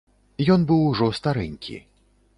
Ён быў ужо старэнькі.